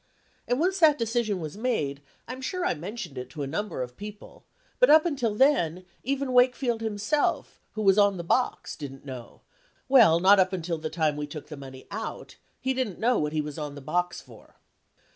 And once that decision was made, I'm sure I mentioned it to a number of people, but up until then, even Wakefield himself who was on the box didn't know, well not up until the time we took the money out he didn't know what he was on that box for."